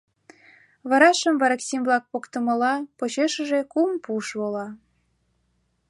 Варашым вараксим-влак поктымыла, почешыже кум пуш вола.